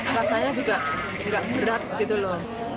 rasanya juga nggak berat gitu loh